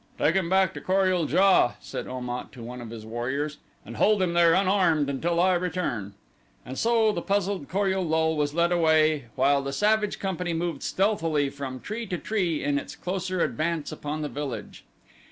"Take him back to Kor ul JA," said Om at, to one of his warriors, "and hold him there unharmed until I return." And so the puzzled Kor ul lul was led away while the savage company moved stealthily from tree to tree in its closer advance upon the village.